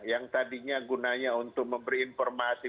yang tadinya gunanya untuk memberi informasi